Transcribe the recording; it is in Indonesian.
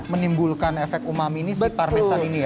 menimbulkan efek umami ini si parmesan ini ya